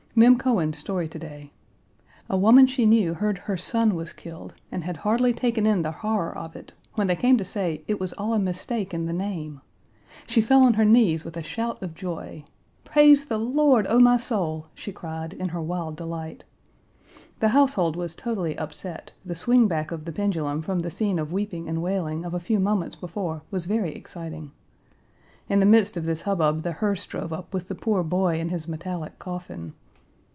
Mem Cohen's story to day. A woman she knew heard her son was killed, and had hardly taken in the horror of it when they came to say it was all a mistake in the name. She fell on her knees with a shout of joy. "Praise the Lord, O my soul!" she cried, in her wild delight. The household was totally upset, the swing back of the pendulum from the scene of weeping and wailing of a few moments before was very exciting. In the midst of this hubbub the hearse drove up with the poor boy in his metallic coffin.